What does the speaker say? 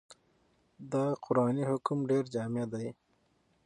دا قرآني حکم ډېر جامع دی.